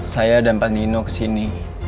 saya dan pak nino ke sini